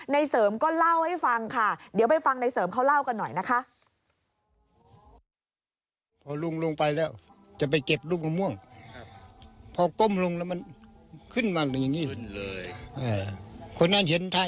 เสริมก็เล่าให้ฟังค่ะเดี๋ยวไปฟังในเสริมเขาเล่ากันหน่อยนะคะ